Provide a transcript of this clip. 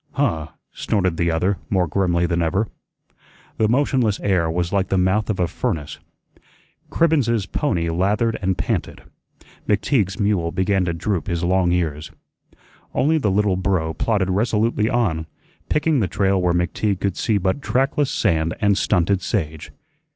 "Huh!" snorted the other more grimly than ever. The motionless air was like the mouth of a furnace. Cribbens's pony lathered and panted. McTeague's mule began to droop his long ears. Only the little burro plodded resolutely on, picking the trail where McTeague could see but trackless sand and stunted sage.